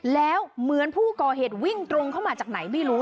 แล้วเหมือนผู้ก่อเหตุวิ่งตรงเข้ามาจากไหนไม่รู้